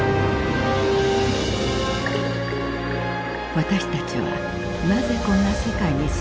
私たちはなぜこんな世界に住んでいるのか。